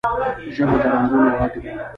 ژبه د رنګونو غږ ده